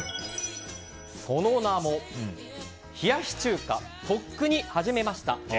その名も冷やし中華とっくに始めました。